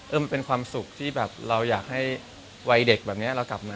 มันเป็นความสุขที่แบบเราอยากให้วัยเด็กแบบนี้เรากลับมา